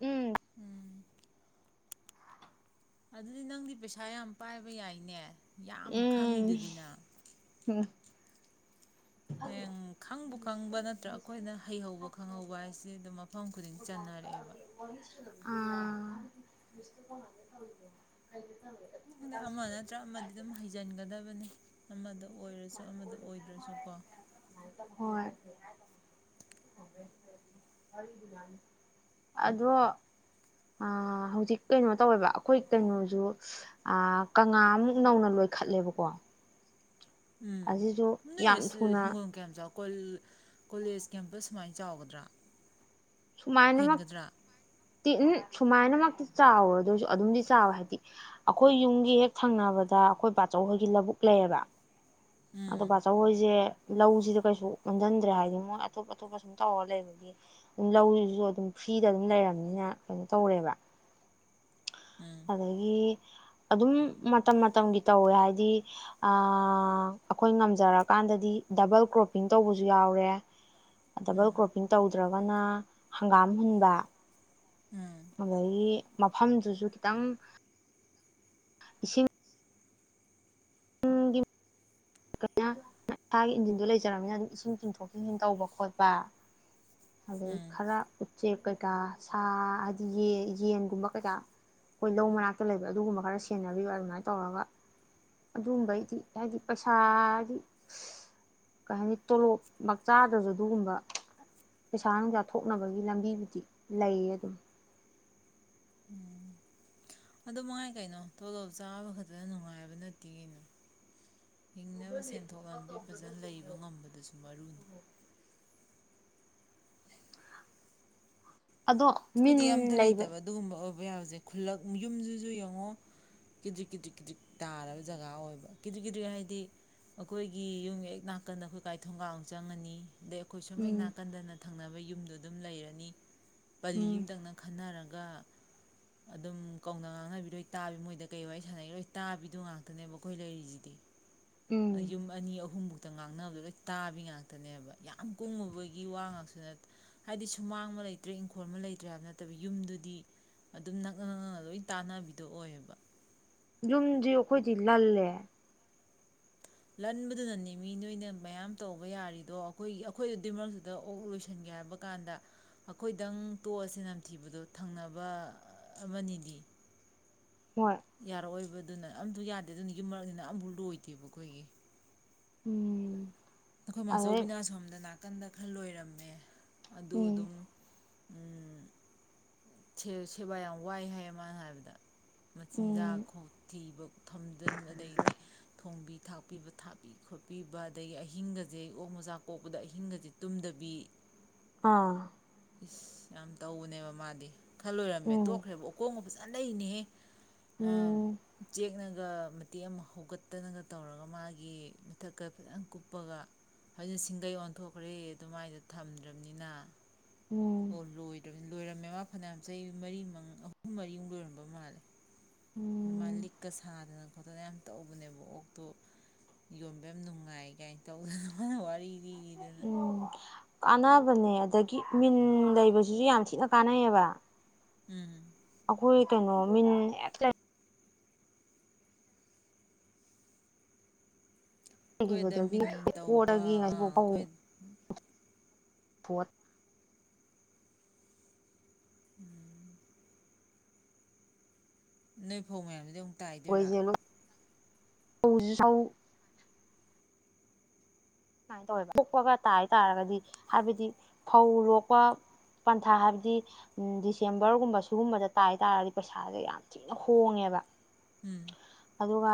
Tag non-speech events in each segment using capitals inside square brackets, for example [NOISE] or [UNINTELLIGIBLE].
ꯎꯝ ꯎꯝ ꯑꯗꯨꯗꯤ ꯅꯪꯗꯤ ꯄꯩꯁꯥ ꯌꯥꯝ ꯄꯥꯏꯕ ꯌꯥꯏꯅꯦ ꯌꯥꯝ ꯎꯝ ꯈꯪꯉꯤꯗꯨꯗꯤꯅ ꯍꯌꯦꯡ ꯈꯪꯕꯨ ꯈꯪꯕ ꯅꯠꯇ꯭ꯔꯒ ꯑꯩꯈꯣꯏꯅ ꯍꯩꯍꯧꯕ ꯈꯪꯍꯧꯕ ꯍꯥꯏꯁꯤ ꯑꯗꯨꯝ ꯃꯐꯝ ꯈꯨꯗꯤꯡ ꯆꯟꯅꯔꯛꯑꯦꯕ ꯑ ꯈꯪꯗꯦ ꯑꯃ ꯅꯠꯇ꯭ꯔ ꯑꯃꯗꯤ ꯑꯗꯨꯝ ꯍꯩꯖꯤꯟꯒꯗꯕꯅꯤ ꯑꯃꯗ ꯑꯣꯏꯔꯁꯨ ꯑꯃꯗ ꯑꯣꯏꯗ꯭ꯔꯁꯨꯀꯣ ꯍꯣꯏ ꯑꯗꯣ ꯑ ꯍꯧꯖꯤꯛ ꯀꯩꯅꯣ ꯇꯧꯋꯦꯕ ꯑꯩꯈꯣꯏ ꯀꯩꯅꯣꯁꯨ ꯀꯪꯂꯥꯃꯨꯛ ꯅꯧꯅ ꯂꯣꯏꯈꯠꯂꯦꯕꯀꯣ ꯎꯝ ꯑꯁꯤꯁꯨ ꯅꯣꯢ ꯌꯥꯝ ꯊꯨꯅ ꯍꯤꯡꯒꯣꯟ ꯀꯌꯥꯝ ꯆꯥꯎ ꯀꯣ ꯀꯣꯂꯦꯖ ꯀꯦꯝꯄꯁ ꯁꯨꯃꯥꯏꯅ ꯆꯥꯎꯒꯗ꯭ꯔꯥ ꯁꯨꯃꯥꯏꯅ ꯃꯛ ꯍꯦꯟꯒꯗ꯭ꯔꯥ ꯇꯤ ꯍ ꯁꯨꯃꯥꯏꯅꯃꯛꯇꯤ ꯆꯥꯎꯔꯣꯏꯔꯁꯨ ꯑꯗꯨꯝꯗꯤ ꯆꯥꯎꯋꯦ ꯍꯥꯏꯗꯤ ꯑꯩꯈꯣꯏ ꯌꯨꯝꯒꯤ ꯍꯦꯛ ꯊꯪꯅꯕꯗ ꯑꯩꯈꯣꯏ ꯄꯕꯥꯆꯧꯈꯣꯏꯒꯤ ꯂꯧꯕꯨꯛ ꯂꯩꯌꯦꯕ ꯎꯝ ꯑꯗꯣ ꯕꯥꯆꯧꯍꯣꯏꯁꯦ ꯂꯧꯁꯤꯗ ꯀꯩꯁꯨ ꯑꯣꯟꯁꯤꯟꯗ꯭ꯔꯦ ꯍꯥꯏꯗꯤ ꯃꯣꯏ ꯑꯇꯣꯞ ꯑꯇꯣꯞꯄ ꯁꯨꯝ ꯇꯧꯔ ꯂꯩꯕꯒꯤ ꯑꯗꯨꯝ ꯂꯧꯁꯤꯁꯨ ꯑꯗꯨꯝ ꯐ꯭ꯔꯤꯗ ꯑꯗꯨꯝ ꯂꯩꯔꯕꯝꯅꯤꯅ ꯀꯩꯅꯣ ꯇꯧꯔꯦꯕ ꯎꯝ ꯑꯗꯒꯤ ꯑꯗꯨꯝ ꯃꯇꯝ ꯃꯇꯝꯒꯤ ꯇꯧꯋꯦ ꯍꯥꯏꯗꯤ ꯑ ꯑꯩꯈꯣꯏ ꯉꯝꯖꯔꯀꯥꯟꯗꯗꯤ ꯗꯕꯜ ꯀ꯭ꯔꯣꯞꯄꯤꯡ ꯇꯧꯕꯁꯨ ꯌꯥꯎꯔꯦ ꯗꯕꯜ ꯎꯝ ꯀ꯭ꯔꯣꯞꯄꯤꯡ ꯇꯧꯗ꯭ꯔꯒꯅ ꯍꯪꯒꯥꯝ ꯍꯨꯟꯕ ꯎꯝ ꯑꯗꯒꯤ ꯃꯐꯝꯗꯨꯁꯨ ꯈꯤꯇꯪ ꯏꯁꯤꯡ ꯁꯥꯒꯤ ꯏꯟꯖꯤꯟꯗꯨꯣ ꯂꯩꯖꯔꯕꯅꯤꯅ ꯑꯗꯨꯝ ꯏꯁꯤꯡ ꯆꯤꯡꯊꯣꯛ ꯆꯤꯡꯁꯤꯟ ꯇꯧꯕ ꯈꯣꯠꯄ ꯑꯗꯩ ꯎꯝ ꯈꯔ ꯎꯆꯦꯛ ꯀꯩꯀꯥ ꯁꯥ ꯍꯥꯏꯗꯤ ꯌꯦꯟꯒꯨꯝꯕ ꯀꯩꯀꯥ ꯑꯩꯈꯣꯏ ꯂꯧ ꯃꯅꯥꯛꯇ ꯂꯩꯕ ꯑꯗꯨꯒꯨꯝꯕ ꯈꯔ ꯁꯦꯟꯅꯕꯤꯕ ꯑꯗꯨꯃꯥꯏꯅ ꯇꯧꯔꯒ ꯑꯗꯨꯒꯝꯕꯩꯗꯤ ꯍꯥꯏꯗꯤ ꯄꯩꯁꯥ ꯍꯥꯏꯗꯤ ꯀꯩ ꯍꯥꯏꯅꯤ ꯇꯣꯂꯣꯞꯃꯛ ꯆꯥꯥꯗ꯭ꯔꯁꯨ ꯑꯗꯨꯒꯨꯝꯕ ꯄꯩꯁꯥ ꯅꯨꯡꯁꯥ ꯊꯣꯛꯅꯕꯒꯤ ꯂꯝꯕꯤꯕꯨꯗꯤ ꯂꯩꯌꯦ ꯑꯗꯨꯝ ꯎꯝ ꯑꯗꯨ ꯃꯅꯨꯡꯉꯥꯏ ꯀꯩꯅꯣ ꯇꯣꯂꯣꯞ ꯆꯥꯕ ꯈꯛꯇꯗ ꯅꯨꯡꯉꯥꯏꯕ ꯅꯠꯇꯦ ꯀꯩꯅꯣ ꯍꯤꯡꯅꯕ ꯁꯦꯟꯊꯣꯛ ꯂꯝꯕꯤ ꯐꯖꯅ ꯂꯩꯕ ꯉꯝꯕꯗꯁꯨ ꯃꯔꯨꯅꯤ ꯑꯗꯣ ꯃꯤꯟ ꯂꯩꯕ ꯊ ꯌꯥꯕꯁꯦ ꯈꯨꯜꯂꯛ ꯌꯨꯝꯁꯤꯁꯨ ꯌꯦꯡꯉꯣ ꯀꯤꯗ꯭ꯔꯤꯛ ꯀꯤꯗ꯭ꯔꯤꯛ ꯀꯤꯗ꯭ꯔꯤꯛ ꯇꯥꯔꯕ ꯖꯒꯥ ꯑꯣꯏꯕ ꯀꯤꯗ꯭ꯔꯤꯛ ꯀꯤꯗ꯭ꯔꯤꯛ ꯍꯥꯏꯗꯤ ꯑꯩꯈꯣꯏꯒꯤ ꯌꯨꯝ ꯍꯦꯛ ꯅꯥꯀꯟꯗ ꯑꯩꯈꯣꯏ ꯀꯀꯥꯏ ꯊꯣꯡꯒ ꯆꯪꯉꯅꯤ ꯗꯩ ꯑꯩꯈꯣꯏ ꯁꯨꯝ ꯍꯦꯛ ꯎꯝ ꯅꯥꯀꯟꯗ ꯊꯪꯅꯕ ꯌꯨꯝꯗꯣ ꯑꯗꯨꯝ ꯂꯩꯔꯅꯤ ꯄꯂꯤ ꯎꯝ ꯑꯃꯝꯇꯪꯅ ꯈꯟꯅꯔꯒꯦ ꯒ ꯑꯗꯨꯝ ꯀꯧꯅ ꯉꯥꯡꯅꯕꯤꯔꯣꯏ ꯇꯥꯕꯤ ꯃꯣꯏꯗ ꯀꯩ ꯋꯥꯔꯤ ꯁꯥꯟꯅꯔꯤ ꯂꯣꯏ ꯇꯥꯕꯤꯗꯨ ꯉꯥꯛꯇꯅꯦꯕ ꯑꯩꯈꯣꯏ ꯂꯩꯔꯤꯁꯤꯗꯤ ꯎꯝ ꯌꯨꯝ ꯑꯅꯤ ꯑꯍꯨꯝꯃꯨꯛꯇ ꯉꯥꯡꯅꯕꯗꯣ ꯂꯣꯏ ꯇꯥꯕꯤ ꯉꯥꯛꯇꯅꯦꯕ ꯌꯥꯝ ꯀꯨꯡꯉꯨꯕꯒꯤ ꯋꯥ ꯉꯥꯛꯁꯨ ꯅꯠꯇ ꯍꯥꯏꯗꯤ ꯁꯨꯃꯥꯡ ꯑꯃ ꯂꯩꯇ꯭ꯔꯦ ꯏꯪꯈꯣꯜ ꯑꯃ ꯂꯩꯇ꯭ꯔꯦ ꯍꯥꯏꯕ ꯅꯠꯇꯕ ꯌꯨꯝꯗꯨꯗꯤ ꯑꯗꯨꯝ ꯅꯛꯅ ꯅꯛꯅꯅ ꯂꯣꯏ ꯇꯥꯟꯅꯕꯤꯗꯣ ꯑꯣꯏꯌꯦꯕ ꯌꯨꯝꯗꯤ ꯑꯩꯈꯣꯏꯗꯤ ꯂꯜꯂꯦ ꯂꯟꯕꯗꯨꯅꯅꯦ ꯃꯤ ꯅꯣꯏꯅ ꯃꯌꯥꯝ ꯇꯧꯕ ꯌꯥꯔꯤꯗꯣ ꯑꯩꯈꯣꯏꯒꯤ ꯑꯩꯈꯣꯏ ꯑꯗꯨꯗꯤꯃꯛꯇꯨꯗ ꯑꯣꯛ ꯂꯣꯏꯁꯤꯟꯒꯦ ꯍꯥꯏꯕ ꯀꯥꯟꯗ ꯑꯩꯈꯣꯏꯗꯪ ꯇꯣꯛꯑꯁꯦ ꯅꯝꯊꯤꯕꯗꯣ ꯊꯪꯅꯕ ꯑꯃꯅꯤꯗꯤ ꯍꯣꯏ ꯌꯥꯔꯛꯑꯣꯏꯕ ꯑꯗꯨꯅ ꯑꯝꯇ ꯌꯥꯗꯦ ꯑꯗꯨꯅꯤꯒꯤ ꯃꯔꯛꯅꯤꯅ ꯑꯝꯐꯥꯎ ꯂꯣꯏꯗꯦꯕ ꯑꯩꯈꯣꯏꯒꯤ ꯎꯝ ꯑꯈꯣꯏ ꯑꯗꯩ ꯃꯥꯆꯧꯕꯤꯕꯤꯅꯥ ꯁꯣꯝꯗ ꯅꯥ ꯅꯥꯀꯟꯗ ꯈꯜ ꯂꯣꯏꯔꯝꯃꯦ ꯑꯗꯨ ꯎꯝ ꯑꯗꯨꯝ ꯎꯝ ꯁꯦꯕꯥ ꯌꯥꯝ ꯋꯥꯏ ꯍꯥꯏꯌꯦ ꯃꯥꯅ ꯍꯥꯏꯕꯗ ꯃꯆꯤꯟꯖꯥꯛ ꯎꯝ ꯊꯤꯕ ꯊꯝꯖꯤꯟ ꯑꯗꯩꯗꯤ ꯊꯣꯡꯕꯤ ꯊꯥꯛꯄꯤꯕ ꯊꯥꯛꯄꯤ ꯈꯣꯠꯄꯤꯕ ꯑꯗꯒꯤ ꯑꯍꯤꯡꯒꯁꯦ ꯑꯣꯛ ꯃꯆꯥ ꯀꯣꯛꯄꯗ ꯑꯍꯤꯡꯒꯁꯦ ꯇꯨꯝꯗꯕꯤ ꯑꯥ ꯏꯁ ꯌꯥꯝ ꯇꯧꯕꯅꯦꯕ ꯃꯥꯗꯤ ꯈꯜꯂꯣꯏꯔꯝꯃꯦ ꯎꯝ ꯇꯣꯛꯈ꯭ꯔꯦꯕ ꯎꯀꯣꯟꯒ ꯐꯖꯅ ꯀꯗꯩꯅꯦ ꯑ ꯎꯝ ꯆꯦꯛꯅ ꯑꯗꯨꯒ ꯃꯇꯦꯛ ꯑꯃ ꯍꯧꯒꯠꯇꯅꯒ ꯇꯧꯔꯒ ꯃꯥꯒꯤ ꯃꯊꯛꯀ ꯐꯖꯅ ꯀꯨꯞꯄꯒ ꯑꯗꯨꯅ ꯁꯤꯡꯒꯩ ꯑꯣꯟꯊꯣꯛꯈ꯭ꯔꯦ ꯑꯗꯨꯃꯥꯏꯅ ꯊꯝꯗ꯭ꯔꯕꯅꯤꯅ ꯑꯣ ꯎꯝ ꯂꯣꯏꯗ꯭ꯔꯕꯅꯤ ꯂꯣꯏꯔꯝꯃꯦ ꯃꯥ ꯐꯅꯌꯥꯝ ꯆꯍꯤ ꯃꯔꯤ ꯃ ꯑꯍꯨꯝ ꯃꯔꯤꯃꯨꯛ ꯂꯣꯏꯔꯝꯕ ꯃꯥꯜꯂꯦ ꯃꯥ ꯎꯝ ꯂꯤꯛꯀ ꯁꯥꯗꯅ ꯈꯣꯠꯇꯅ ꯌꯥꯝ ꯇꯧꯕꯅꯦꯕ ꯑꯣꯛꯇꯣ ꯌꯣꯟꯕ ꯌꯥꯝ ꯅꯨꯡꯉꯥꯏ ꯀꯥꯏꯅ ꯇꯧꯗꯅ ꯃꯥꯅ ꯋꯥꯔꯤ ꯂꯤꯔꯤꯗꯅ ꯎꯝ ꯀꯥꯟꯅꯕꯅꯦ ꯑꯗꯒꯤ ꯃꯤꯟ ꯂꯩꯕꯁꯤꯁꯨ ꯌꯥꯝ ꯊꯤꯅ ꯀꯥꯟꯅꯩꯌꯦꯕ ꯎꯝ ꯑꯩꯈꯣꯏ ꯀꯩꯅꯣ ꯃꯤꯟ ꯑꯩꯈꯣꯏ ꯗ ꯂꯩꯈꯤꯕꯗꯒꯤ ꯃꯤꯟ ꯇꯧꯕ ꯀꯣꯛꯗꯒꯤ ꯉꯁꯤꯐꯥꯎ ꯑꯩꯈꯣꯏ ꯐꯣꯠ ꯎꯝ ꯅꯣꯏ ꯐꯧ ꯃꯌꯥꯝꯁꯤꯗꯤ ꯇꯥꯏꯗꯨꯔꯥ ꯐꯧꯖꯤ ꯁꯧ ꯁꯨꯃꯥꯏꯅ ꯇꯧꯋꯦꯕ ꯄꯣꯛꯄꯒ ꯇꯥꯏ ꯇꯥꯔꯒꯗꯤ ꯍꯥꯏꯕꯗꯤ ꯐꯧ ꯂꯣꯛꯄ ꯄꯟꯊꯥ ꯍꯥꯏꯕꯗꯤ ꯗꯤꯁꯦꯝꯕꯔꯒꯨꯝꯕ ꯁꯤꯒꯨꯝꯕꯗ ꯇꯥꯏ ꯇꯥꯔꯒꯗꯤ ꯄꯩꯁꯥꯁꯦ ꯌꯥꯝ ꯊꯤꯅ ꯍꯣꯡꯉꯦꯕ ꯎꯝ ꯑꯗꯨꯒ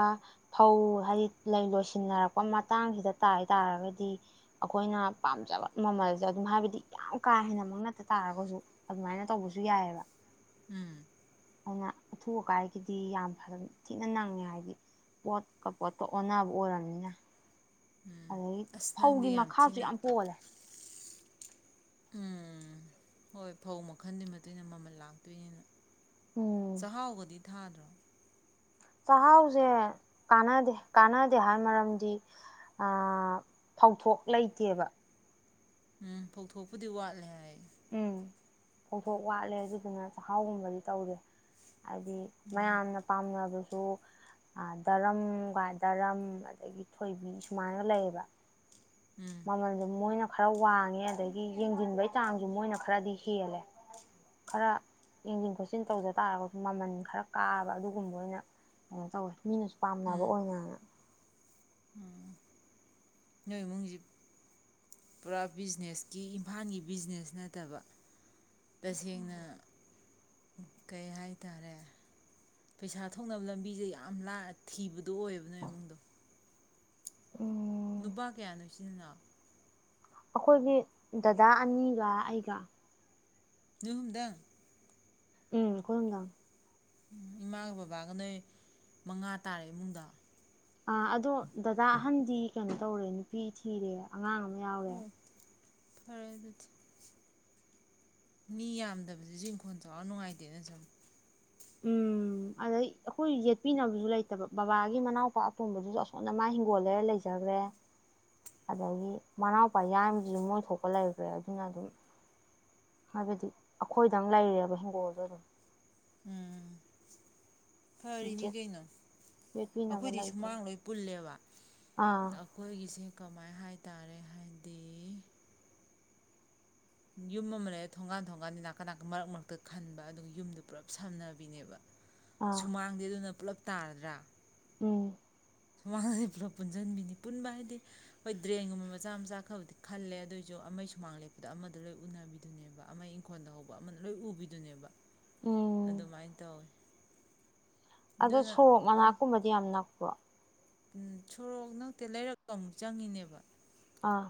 ꯐꯧ ꯍꯥꯏꯗꯤ ꯂꯩ ꯂꯣꯏꯁꯤꯟꯅꯔꯛꯄ ꯃꯇꯥꯡꯁꯤꯗ ꯇꯥꯏ ꯇꯥꯔꯒꯗꯤ ꯑꯩꯈꯣꯏꯅ ꯄꯥꯝꯖꯕ ꯃꯃꯜꯁꯦ ꯑꯗꯨꯝ ꯍꯥꯏꯕꯗꯤ ꯌꯥꯝ ꯀꯥ ꯍꯦꯟꯅꯃꯛ ꯅꯠꯇ ꯇꯥꯔꯒꯁꯨ ꯑꯗꯨꯃꯥꯏꯅ ꯇꯧꯕꯁꯨ ꯌꯥꯏꯑꯦꯕ ꯎꯝ ꯑꯗꯨꯅ ꯑꯊꯨ ꯑꯀꯥꯏꯒꯤꯗꯤ ꯌꯥꯝ ꯐꯖꯅ ꯊꯤꯅ ꯅꯪꯉꯦ ꯍꯥꯏꯗꯤ ꯄꯣꯠꯀ ꯄꯣꯠꯀ ꯑꯣꯟꯅꯕ ꯑꯣꯏꯔꯕꯅꯤꯅ ꯑꯗꯗꯒꯤ ꯑꯁ ꯅꯪꯗꯤ ꯐꯧꯒꯤ ꯃꯈꯥꯁꯨ ꯊꯤꯅ ꯌꯥꯝ ꯄꯣꯜꯂꯦ ꯎꯝ ꯍꯣꯏ ꯐꯧ ꯃꯈꯜꯗꯨꯒꯤ ꯃꯇꯨꯡ ꯏꯟꯅ ꯃꯃꯜ ꯂꯥꯛꯇꯣꯏꯅꯤꯅꯦ ꯎꯝ ꯆꯍꯥꯎꯒꯗꯤ ꯊꯗꯔꯣ ꯆꯥꯛꯍꯥꯎꯁꯦ ꯀꯥꯟꯅꯗꯦ ꯀꯥꯟꯅꯗꯦ ꯍꯥꯏ ꯃꯔꯝꯗꯤ ꯐꯧꯊꯣꯛ ꯂꯩꯇꯦꯕ ꯎꯝ ꯐꯧꯊꯣꯛꯄꯨꯗꯤ ꯋꯥꯠꯂꯦ ꯍꯥꯏ ꯎꯝ ꯐꯧꯊꯣꯛ ꯋꯥꯠꯂꯦ ꯑꯗꯨꯗꯨꯅ ꯆꯥꯛꯍꯥꯎꯒꯨꯝꯕꯗꯤ ꯇꯧꯔꯦ ꯍꯥꯏꯗꯤ ꯃꯌꯥꯝꯅ ꯄꯥꯝꯅꯕꯁꯨ ꯑꯗꯨ ꯗꯔꯝꯒ ꯗꯔꯝ ꯑꯗꯒꯤ ꯊꯣꯏꯕꯤ ꯁꯨꯃꯥꯏꯅꯒ ꯂꯩꯌꯦꯕ ꯎꯝ ꯃꯃꯜꯖꯦ ꯃꯣꯏꯅ ꯈꯔ ꯋꯥꯡꯉꯦ ꯑꯗꯒꯤ ꯌꯦꯡꯁꯤꯟꯕꯒꯤ ꯆꯥꯡ ꯑꯗꯨ ꯃꯣꯏꯅ ꯈꯔꯗꯤ ꯍꯦꯜꯂꯦ ꯈꯔ ꯌꯦꯡꯁꯤꯟ ꯈꯣꯠꯆꯤꯟ ꯇꯧꯖ ꯇꯥꯔꯒꯁꯨ ꯃꯃꯟ ꯈꯔ ꯀꯥꯕ ꯑꯗꯨꯒꯨꯝꯕ ꯑꯣꯏꯅ ꯀꯩꯅꯣ ꯇꯧꯋꯦ ꯃꯤꯅꯁꯨ ꯄꯥꯝꯅꯕ ꯎꯝ ꯑꯣꯏꯅ ꯅꯣꯏ ꯏꯃꯨꯡꯁꯤ ꯄꯨꯔꯥ ꯕꯤꯖꯤꯅꯦꯁꯀꯤ ꯏꯝꯐꯥꯜꯒꯤ ꯕꯤꯖꯤꯅꯦꯁ ꯅꯠꯇꯕ ꯇꯁꯦꯡꯅ ꯀꯩ ꯍꯥꯏꯇꯥꯔꯦ ꯄꯩꯁꯥ ꯊꯣꯛꯅꯕ ꯂꯝꯕꯤꯁꯦ ꯌꯥꯝ ꯊꯤꯕꯗ ꯑꯗꯨ ꯑꯣꯏꯌꯦꯕꯅꯣ ꯏꯃꯨꯡꯗꯣ ꯎꯝ ꯅꯨꯄꯥ ꯀꯌꯥꯅꯣ ꯁꯤꯖꯤꯟꯅ ꯑꯩꯈꯣꯏꯒꯤ ꯗꯗꯥ ꯑꯅꯤꯒ ꯑꯩꯒ ꯅ ꯍꯨꯝꯗꯪ ꯎꯝ ꯈꯨꯔꯨꯝꯗꯥꯝ ꯏꯃꯥꯒ ꯕꯕꯥꯒ ꯅꯣꯏ ꯃꯉꯥ ꯇꯥꯔꯦ ꯏꯃꯨꯡꯗ ꯑ ꯑꯗꯣ ꯗꯗꯥ ꯑꯍꯟꯗꯤ ꯀꯩꯅꯣ ꯇꯧꯔꯦ ꯅꯨꯄꯤ ꯊꯤꯔꯦ ꯑꯉꯥꯡ ꯑꯃ ꯌꯥꯎꯔꯦ ꯑꯣ ꯐꯔꯦ ꯑꯗꯨꯗꯤ ꯃꯤ ꯌꯥꯝꯗꯕꯁꯤꯁꯨ ꯏꯪꯈꯣꯜ ꯆꯥꯎꯔꯥꯛ ꯅꯨꯡꯉꯥꯏꯇꯦꯅ ꯁꯨꯝ ꯎꯝ ꯑꯗꯩ ꯑꯩꯈꯣꯏ ꯌꯦꯠꯄꯤꯅꯕꯁꯨ ꯂꯩꯇꯕ ꯕꯕꯥꯒꯤ ꯃꯅꯥꯎꯄꯥ ꯑꯄꯨꯝꯕꯗꯨꯁꯨ ꯑꯁꯣꯟꯗ ꯃꯥ ꯍꯤꯡꯒꯣꯜꯂꯔ ꯂꯩꯖꯈ꯭ꯔꯦ ꯑꯗꯒꯤ ꯃꯅꯥꯎꯄꯥ ꯌꯥꯕꯗꯨꯁꯨ ꯃꯣꯏ ꯊꯣꯛꯄ ꯂꯩꯈ꯭ꯔꯦ ꯑꯗꯨꯅ ꯑꯗꯨꯝ ꯍꯥꯏꯕꯗꯤ ꯑꯩꯈꯣꯏꯗ ꯑꯃ ꯂꯩꯔꯦꯕ ꯍꯤꯡꯒꯣꯜꯗꯣ ꯑꯗꯨꯝ ꯎꯝ ꯐꯔꯤꯅꯤ ꯀꯩꯅꯣ ꯌꯦꯠꯄꯤꯅꯕ ꯑꯩꯈꯣꯏꯗꯤ ꯂꯩꯇꯕ ꯁꯨꯃꯥꯡ ꯂꯣꯏ ꯄꯨꯜꯂꯦꯕ ꯑꯥ ꯑꯩꯈꯣꯏꯒꯤꯁꯦ ꯀꯃꯥꯏ ꯍꯥꯏꯇꯥꯔꯦ ꯍꯥꯏꯗꯤ ꯌꯨꯝ ꯑꯃ ꯂꯩ ꯊꯣꯡꯒꯥꯟ ꯊꯣꯡꯒꯥꯟꯗꯤ ꯅꯥꯀ ꯅꯥꯀꯟ ꯃꯔꯛ ꯃꯔꯛꯇ ꯈꯟꯕ ꯑꯗꯨꯒ ꯌꯨꯝꯗꯣ ꯄꯨꯂꯞ ꯁꯝꯅꯕꯤꯅꯦꯕ ꯑꯥ ꯁꯨꯃꯥꯡꯗꯦ ꯑꯗꯨꯅ ꯄꯨꯜꯂꯞ ꯇꯥꯔꯗ꯭ꯔꯥ ꯎꯝ ꯁꯨꯃꯥꯡ ꯂꯦꯞꯄꯂ ꯄꯨꯟꯁꯤꯟꯕꯤꯅꯤ ꯄꯨꯟꯕ ꯍꯥꯏꯗꯤ ꯍꯣꯏ ꯗ꯭ꯔꯦꯟꯒꯨꯝꯕ ꯃꯆꯥ ꯃꯆꯥ ꯈꯕꯗꯤ ꯈꯜꯂꯦ ꯑꯗꯨꯑꯣꯏꯁꯨ ꯑꯃ ꯁꯨꯃꯥꯡ ꯂꯦꯞꯄꯗ ꯑꯃꯗ ꯂꯣꯏ ꯎꯅꯕꯤꯗꯨꯅꯦꯕ ꯑꯃ ꯏꯪꯈꯣꯜꯗ ꯍꯧꯕ ꯑꯃꯅ ꯂꯣꯏ ꯎꯕꯤꯗꯨꯅꯦꯕ ꯎꯝ ꯑꯗꯨꯃꯥꯏꯅ ꯇꯧꯋꯤ ꯑꯗꯣ ꯑꯗꯨꯅ ꯁꯣꯔꯣꯛ ꯃꯅꯥꯛꯀꯨꯝꯕꯗꯤ ꯌꯥꯝ ꯅꯛꯄꯣ ꯎ ꯁꯣꯔꯣꯛ ꯅꯛꯇꯦ ꯂꯩꯔꯛꯀ ꯑꯃꯨꯛ ꯆꯪꯉꯤꯅꯦꯕ ꯑꯥ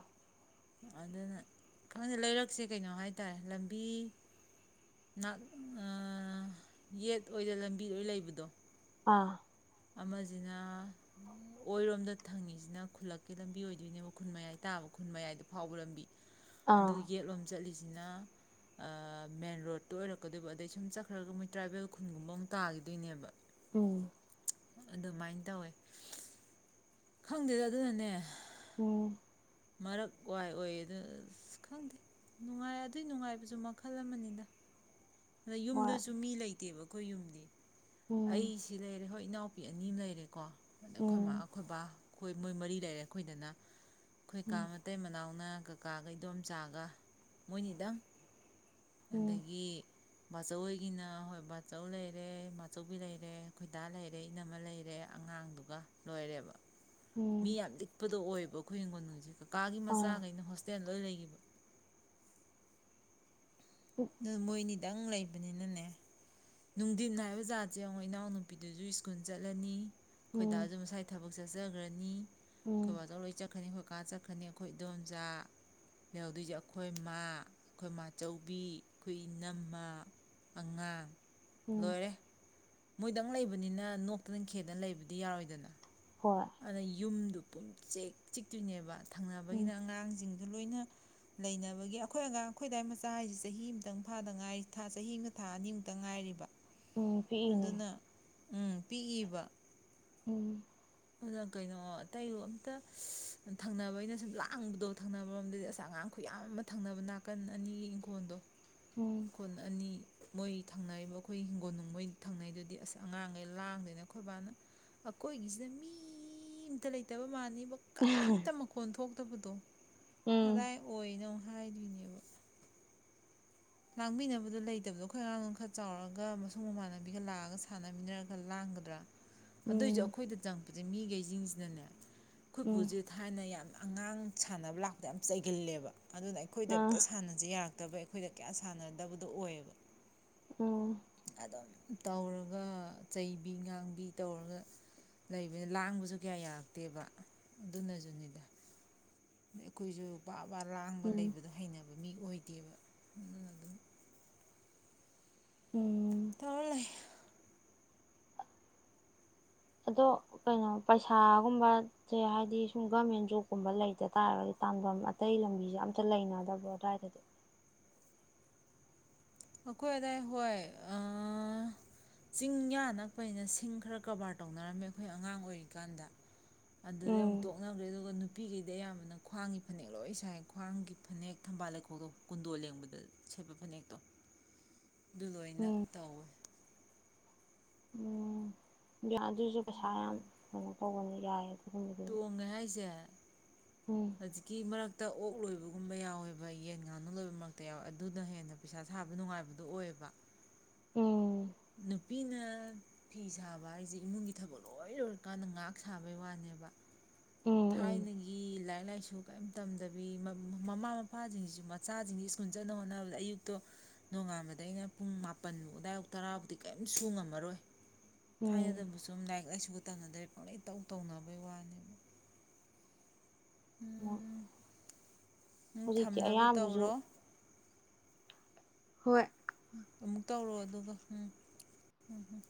ꯑꯗꯨꯅ ꯈꯪꯗꯦ ꯂꯩꯔꯛꯁꯦ ꯀꯩꯅꯣ ꯍꯥꯏꯇꯥꯔꯦ ꯂꯝꯕꯤ ꯌꯦꯠ ꯑꯣꯏꯗ ꯂꯝꯕꯤꯣꯏ ꯂꯩꯕꯗꯣ ꯑꯥ ꯑꯃꯁꯤꯅ ꯑꯣꯏꯔꯣꯝꯗ ꯊꯪꯉꯤꯁꯤꯅ ꯈꯨꯜꯂꯛꯀꯤ ꯂꯝꯕꯤ ꯑꯣꯏꯗꯣꯏꯅꯦꯕ ꯈꯨꯟ ꯃꯌꯥꯏ ꯇꯥꯕ ꯈꯨꯟ ꯃꯌꯥꯏꯗ ꯐꯥꯎꯕ ꯂꯝꯕꯤ ꯑꯥ ꯑꯗꯨ ꯌꯦꯠꯂꯣꯝ ꯆꯠꯂꯤꯁꯦ ꯁꯤꯅ ꯃꯦꯟ ꯔꯣꯗꯠꯇꯨ ꯑꯣꯏꯔꯛꯀꯗꯣꯏꯕ ꯑꯗꯩ ꯁꯨꯝ ꯆꯠꯈ꯭ꯔꯒ ꯃꯣꯏ ꯇ꯭ꯔꯥꯏꯕꯦꯜ ꯈꯨꯟꯒꯨꯝꯕ ꯑꯃꯨꯛ ꯇꯥꯈꯤꯗꯣꯏꯅꯦꯕ ꯎꯝ ꯑꯗꯨꯃꯥꯏꯅ ꯇꯧꯋꯦ ꯈꯪꯗꯦꯗ ꯑꯗꯨꯅꯅꯦ ꯎꯝ ꯃꯔꯛ ꯋꯥꯏ ꯑꯣꯏꯌꯦ ꯑꯗꯨꯗ ꯑꯁ ꯈꯪꯗꯦ ꯅꯨꯡꯉꯥꯏ ꯑꯗꯨꯏ ꯅꯨꯡꯉꯥꯏꯕꯁꯨ ꯃꯈꯜ ꯑꯃꯅꯤꯅ ꯑꯗ ꯍꯣꯏ ꯌꯨꯝꯗꯁꯨ ꯃꯤ ꯂꯩꯇꯦꯕꯣ ꯑꯩꯈꯣꯏ ꯌꯨꯝꯗꯤ ꯑꯩ ꯎꯝ ꯁꯤꯅꯦ ꯑꯩꯈꯣꯏ ꯏꯅꯥꯎꯄꯤ ꯑꯅꯤ ꯑꯃ ꯂꯩꯔꯦ ꯀꯣ ꯑꯗ ꯑꯩꯈꯣꯏ ꯃꯥ ꯎꯝ ꯑꯩꯈꯣꯏꯕꯥ ꯑꯩꯈꯣꯏ ꯃꯣꯏ ꯃꯔꯤ ꯂꯩꯔꯦ ꯑꯩꯈꯣꯏꯗꯅ ꯑꯩꯈꯣꯏ ꯀꯥ ꯎꯝ ꯃꯇꯩ ꯃꯅꯥꯎ ꯅ ꯀꯥꯀꯥ ꯒꯥ ꯏꯟꯗꯣꯝ ꯆꯥꯒ ꯃꯣꯏꯅꯤꯗꯪ ꯎꯝ ꯑꯗꯒꯤ ꯕꯥꯆꯧꯒꯤꯅ ꯍꯣꯏ ꯕꯥꯆꯧ ꯂꯩꯔꯦ ꯑꯆꯧꯕꯤ ꯂꯩꯔꯦ ꯈꯣꯏꯗꯥ ꯂꯩꯔꯦ ꯏꯅꯝꯃ ꯂꯩꯔꯦ ꯑꯉꯥꯡꯗꯨꯒ ꯂꯣꯏꯔꯦꯕ ꯃꯤ ꯎꯝ [UNINTELLIGIBLE] [INAUDIBLE] ꯇ ꯑꯣꯏꯕꯈꯣꯏ ꯍꯤꯡꯒꯣꯜꯣꯏꯁꯦ ꯀꯥꯒꯤ ꯑꯥ ꯃꯆꯥꯈꯩꯅ ꯍꯣꯁ ꯍꯇꯦꯜꯗ ꯂꯩꯈꯤꯕ ꯃꯣꯏꯅꯔ ꯈꯤꯇꯪ ꯂꯩꯕꯅꯤꯅꯅꯦ ꯅꯨꯡꯊꯤꯟ ꯍꯥꯏꯕ ꯖꯥꯠꯁꯦ ꯌꯦꯡꯉꯣ ꯏꯅꯥꯎꯅꯨꯄꯤꯗꯨꯁꯨ ꯁ꯭ꯀꯨꯜ ꯆꯠꯂꯅꯤ ꯑꯩꯈꯣꯏ ꯎꯝ ꯗꯥꯖꯨ ꯃꯁꯥꯏ ꯊꯝ ꯕꯨꯛꯁꯁ ꯁꯒꯔꯅꯤ ꯎꯝ ꯈꯧꯏꯕꯆꯧ [INAUDIBLE] [UNINTELLIGIBLE] ꯀꯥꯀꯥ ꯆꯠꯈꯔꯅꯤ ꯑꯩꯈꯣꯏ ꯏꯗꯣꯝꯆꯥ ꯂꯩꯍꯗꯣꯏꯁꯦ ꯑꯩꯈꯣꯏ ꯏꯃꯥ ꯑꯩꯈꯣꯏ ꯃꯥꯆꯧꯕꯤ ꯑꯩꯈꯣꯏ ꯏꯅꯝꯃ ꯑꯉꯥꯡ ꯎꯝ ꯂꯣꯏꯔꯦ ꯃꯣꯏꯗꯪ ꯂꯩꯕꯅꯤꯅ ꯅꯣꯛꯇꯅ ꯈꯦꯗꯅ ꯂꯩꯕꯗꯤ ꯌꯥꯔꯣꯏꯗꯅ ꯍꯣꯏ ꯑꯗꯣ ꯌꯨꯝꯗꯨ ꯄꯨꯝ ꯆꯤꯛ ꯆꯤꯛꯇꯣꯏꯅꯦꯕ ꯊꯪꯅꯕꯒꯤꯅ ꯎꯝ ꯑꯉꯥꯡꯁꯤꯡ ꯑꯗꯨ ꯂꯣꯏꯅ ꯂꯩꯅꯕꯒꯤ ꯑꯩꯈꯣꯏ ꯑꯉꯥꯡ ꯑꯩꯈꯣꯏꯗꯥꯏ ꯃꯆꯥ ꯍꯥꯏꯁꯤ ꯆꯍꯤ ꯑꯃꯥꯇꯪ ꯐꯥꯗ ꯉꯥꯏꯔꯤꯥ ꯆꯍꯤ ꯑꯃꯥ ꯊꯥ ꯑꯅꯤꯃꯨꯛꯇꯪ ꯉꯥꯏꯔꯤꯕ ꯎꯝ ꯄꯤꯛꯏꯅꯦ ꯑꯗꯨꯅ ꯎꯝ ꯄꯤꯛꯏꯕ ꯎꯝ ꯑꯗꯨꯅ ꯀꯩꯅꯣ ꯑꯇꯩ ꯑꯝꯇ ꯊꯪꯅꯕ ꯑꯩꯅ ꯁꯨꯝ ꯂꯥꯡꯕꯗꯣ ꯊꯪ ꯅꯕ [UNINTELLIGIBLE] ꯑꯆꯥ ꯑꯉꯥꯡ ꯈꯨꯌꯥꯝ ꯑꯃ ꯊꯪꯅꯕ ꯅꯥꯀꯟ ꯑꯅꯤꯒꯤ ꯏꯪꯈꯣꯜꯗꯣ ꯎꯝ ꯀꯟ ꯑꯅꯤ ꯃꯣꯏ ꯊꯪꯅꯔꯤꯕ ꯑꯩꯈꯣꯏ ꯍꯤꯡꯒꯣꯜꯅꯨꯡ ꯃꯣꯏ ꯊꯪꯅꯩꯗꯨꯗꯤ ꯑꯁ ꯑꯉꯥꯡꯈꯩ ꯂꯥꯡꯗꯣꯏꯅ ꯈꯈꯣꯏꯕꯥꯅ ꯑꯩꯈꯣꯏꯒꯤꯁꯤꯅ ꯃꯤ ꯑꯝꯇ ꯂꯩꯇꯕ ꯃꯥꯅꯤ ꯀꯔꯤꯝꯇ ꯃꯈꯣꯟ ꯊꯣꯛ ꯇꯕꯗ ꯎꯝ ꯑꯗꯥꯏ ꯑꯣꯏꯅꯣ ꯂꯥꯡꯃꯤꯟꯅꯕꯗꯣ ꯂꯩꯇꯕꯗꯣ ꯑꯩꯈꯣꯏ ꯑꯉꯥꯡ ꯈꯔ ꯆꯥꯎꯔꯒ ꯃꯁꯨꯡ ꯃꯃꯥꯟꯅꯕꯤꯒ ꯂꯥꯛꯑꯒ ꯁꯥꯟꯅꯃꯤꯟꯅꯔꯒ ꯂꯥꯡꯒꯗ꯭ꯔꯥ ꯑꯗꯨꯏꯁꯨ ꯎꯝ ꯑꯩꯈꯣꯏꯗ ꯆꯪ ꯑꯗꯩ ꯃꯤꯈꯩꯁꯤꯡꯁꯤꯅꯅꯦ ꯎꯝ ꯑꯩꯈꯣꯏꯠꯄꯨꯁꯦ ꯊꯥꯏꯅ ꯌꯥꯝ ꯑꯉꯥꯡ ꯁꯥꯟꯅꯕ ꯂꯥꯛꯇ ꯌꯥꯝ ꯆꯩꯒꯜꯂꯦꯕ ꯑꯗꯨꯅ ꯑꯩꯈꯣꯏꯗ ꯑ ꯑꯃꯝꯇ ꯁꯥꯟꯅꯁꯤ ꯌꯥꯔꯒꯦ ꯅꯠꯇꯕ ꯑꯩꯈꯣꯏꯗ ꯀꯌꯥ ꯁꯥꯟꯅꯗꯕꯗꯣ ꯑꯣꯏꯌꯦꯕ ꯎꯝ ꯑꯗꯨꯝ ꯇꯧꯔꯒ ꯆꯩꯕꯤ ꯉꯥꯡꯕꯤ ꯇꯧꯔꯒ ꯂꯩꯕꯅ ꯂꯥꯡꯕꯁꯨ ꯀꯌꯥ ꯌꯥꯔꯛꯇꯦꯕ ꯑꯗꯨꯅꯁꯨꯅꯤꯗ ꯑꯩꯈꯣꯏꯁꯨ ꯄꯥ ꯋꯥꯔꯥꯡꯕ ꯎꯝ ꯂꯩꯕꯗꯣ ꯍꯩꯅꯕ ꯐꯕ ꯃꯤ ꯑꯣꯏꯗꯦꯕ ꯑꯗꯨꯅ ꯑꯗꯨꯝ ꯎꯝ ꯇꯥ ꯂꯩ ꯑꯗꯣ ꯀꯩꯅꯣ ꯄꯩꯁꯥꯒꯨꯝꯕꯁꯦ ꯍꯥꯏꯗꯤ ꯁꯨꯝ ꯒꯔꯃꯦꯟ ꯖꯣꯕꯀꯨꯝꯕ ꯂꯩꯇ ꯇꯥꯔꯒꯗꯤ ꯇꯥꯟꯐꯝ ꯑꯇꯩ ꯂꯝꯕꯤꯁꯦ ꯑꯝꯇ ꯂꯩꯅꯗꯕꯣ ꯑꯗꯨꯋꯥꯏꯗꯗꯤ ꯑꯩꯈꯣꯏ ꯑꯗꯥꯏ ꯍꯣꯏ ꯆꯤꯡ ꯌꯥ ꯅꯛꯄꯅꯤꯅ ꯁꯤꯡ ꯈꯔ ꯀꯕꯥꯔ ꯇꯧꯅꯔꯝꯃꯦ ꯑꯩꯈꯣꯏ ꯑꯉꯥꯡ ꯑꯣꯏꯔꯤꯀꯥꯟꯗ ꯑꯗꯨꯗꯤ ꯑꯃꯨꯛ ꯎꯝ ꯇꯣꯛꯅꯕ꯭ꯔꯦ ꯑꯗꯨꯒ ꯅꯨ ꯅꯨꯄꯤꯈꯩꯗ ꯑꯌꯥꯝꯕꯅ ꯈ꯭ꯋꯥꯡꯒꯤ ꯐꯅꯦꯛ ꯂꯣꯏ ꯁꯥꯏ ꯈ꯭ꯋꯥꯡꯒꯤ ꯐꯅꯦꯛ ꯊꯝꯕꯥꯜ ꯂꯩꯈꯣꯛꯗꯣ ꯀꯨꯟꯗꯣꯜ ꯂꯦꯡꯕꯗ ꯁꯦꯠꯄ ꯐꯅꯦꯛꯇꯣ ꯑꯗꯨ ꯂꯣꯏꯅ ꯎꯝ ꯇꯧꯋꯤ ꯎꯝ ꯏꯟꯗꯤꯌꯥ ꯑꯗꯨꯁꯨ ꯄꯩꯁꯥ ꯌꯥꯝ ꯀꯩꯅꯣ ꯇꯧꯕꯒꯅꯤ ꯌꯥꯏ ꯑꯗꯨꯒꯨꯝꯕꯗꯨꯁꯨ ꯇꯣꯡꯉꯦ ꯍꯥꯏꯁꯦ ꯎꯝ ꯍꯧꯖꯤꯛꯀꯤ ꯃꯔꯔ ꯍꯛꯇ ꯑꯣꯛ ꯂꯣꯏꯕꯒꯨꯝꯕ ꯌꯥꯎꯋꯦꯕ ꯌꯦꯟ ꯉꯥꯅꯨ ꯂꯣꯏꯕ ꯃꯔꯛꯇ ꯌꯥꯎꯋꯦ ꯑꯗꯨꯅ ꯍꯦꯟꯅ ꯄꯩꯁꯥ ꯁꯥꯕ ꯅꯨꯡꯉꯥꯏꯕꯗꯨꯣ ꯑꯣꯏꯑꯕ ꯎꯝ ꯅꯨꯄꯤꯅ ꯐꯤ ꯁꯥꯕ ꯍꯥꯏꯁꯦ ꯏꯃꯨꯡꯒꯤ ꯊꯕꯛ ꯂꯣꯏ ꯂꯣꯏꯔꯀꯥꯟꯗ ꯉꯍꯥꯛ ꯁꯥꯕꯩ ꯋꯥꯅꯦꯕ ꯎꯝ ꯎꯝ ꯊꯥꯏꯅꯒꯤ ꯂꯥꯏ ꯂꯥꯏꯔꯤꯛ ꯂꯥꯏꯁꯨ ꯀꯔꯤꯝ ꯇꯝꯗꯕꯤ ꯃꯃꯥ ꯃꯄꯥꯁꯤꯡꯁꯤꯁꯨ ꯃꯆꯥꯁꯤꯡꯁꯤ ꯁ꯭ꯀꯨꯜ ꯆꯠꯅ ꯍꯣꯠꯅꯕꯗ ꯑꯌꯨꯛꯇꯣ ꯅꯣꯡꯉꯥꯟꯕꯗ ꯑꯩꯅ ꯄꯨꯡ ꯃꯥꯄꯟꯃꯨꯛ ꯑꯗꯥꯏ ꯇꯔꯥꯕꯨꯗꯤ ꯀꯔꯤꯝ ꯁ ꯉꯝꯃꯔꯣꯏ ꯎꯝ ꯐꯥꯏꯦꯗꯕꯨꯁꯨ ꯁ ꯂꯥꯏ ꯇꯅ ꯗꯥꯏꯔ ꯀꯩ ꯇꯧ ꯇꯧꯅꯕꯩ ꯋꯥꯅꯦꯕ ꯎꯝ ꯊꯝꯅꯕ ꯇꯧꯔꯣ ꯍꯣꯏ ꯑꯃꯨꯛ ꯇꯧꯔꯑꯣ ꯑꯗꯨꯒ ꯎꯝ ꯎꯝꯝ